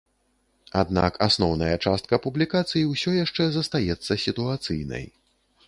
Аднак асноўная частка публікацый усё яшчэ застаецца сітуацыйнай.